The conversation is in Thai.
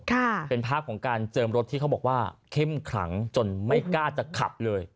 ค่ะเป็นภาพของการเจิมรถที่เขาบอกว่าเข้มขลังจนไม่กล้าจะขับเลย